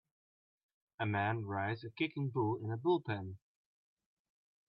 A man rides a kicking bull in a bullpen.